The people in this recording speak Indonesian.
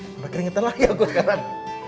sampai keringetan lagi aku sekarang